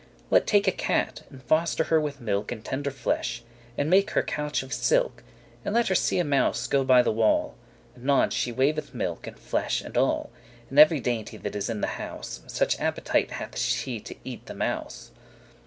<2> Let take a cat, and foster her with milk And tender flesh, and make her couch of silk, And let her see a mouse go by the wall, Anon she weiveth* milk, and flesh, and all, *forsaketh And every dainty that is in that house, Such appetite hath she to eat the mouse.